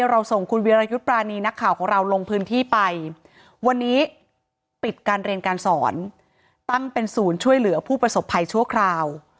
เราส่งคุณวิรยุทธ์ปรานีนักข่าวของเราลงพื้นที่ไปวันนี้ปิดการเรียนการสอนตั้งเป็นศูนย์ช่วยเหลือผู้ประสบภัยชั่วคราว